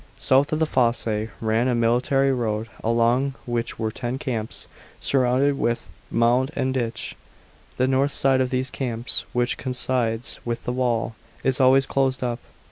South of the fosse ran a military road, along which were ten camps, surrounded with mound and ditch. The north side of these camps, which coincides with the wall, is always closed up.